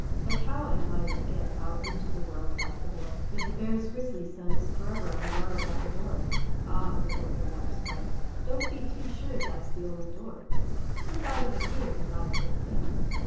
"But how am I to get out into the world?" asked the Boy, "with the Bear's grizzly sons forever on guard at the only door." "Ah," gurgled the Water Sprite, "don't be too sure that's the only door. Slip out of the cave as I slipped in."